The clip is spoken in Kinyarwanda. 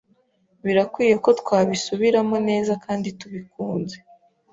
Birakwiye ko twabisubiramo neza kandi tubikunze